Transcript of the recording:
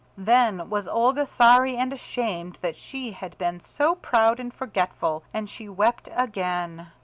Then was Olga sorry and ashamed that she had been so proud and forgetful, and she wept again.